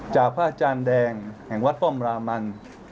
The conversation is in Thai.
พระอาจารย์แดงแห่งวัดป้อมรามัน